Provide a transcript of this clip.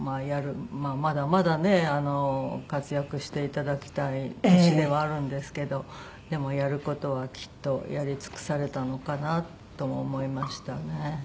まだまだね活躍して頂きたい年ではあるんですけどでもやる事はきっとやり尽くされたのかなとも思いましたね。